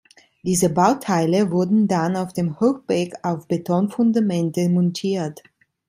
Diese Bauteile wurden dann auf dem Höhbeck auf Betonfundamente montiert.